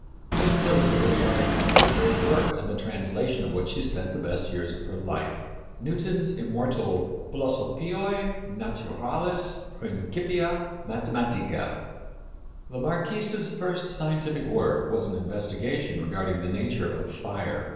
This is illustrated by the title of the great work on the translation of which she spent the best years of her life Newton's immortal Philosophiæ Naturalis Principia Mathematica. The Marquise's first scientific work was an investigation regarding the nature of fire.